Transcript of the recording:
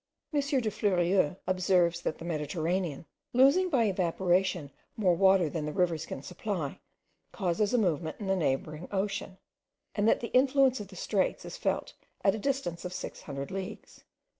M. de Fleurieu observes that the Mediterranean, losing by evaporation more water than the rivers can supply, causes a movement in the neighbouring ocean, and that the influence of the straits is felt at the distance of six hundred leagues.